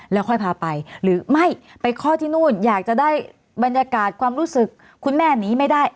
แล้วค่อยพาไปหรือไม่ไปคลอดที่นู่นอยากจะได้บรรยากาศความรู้สึกคุณแม่หนีไม่ได้